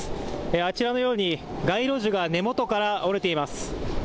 あちらのように街路樹が根元から折れています。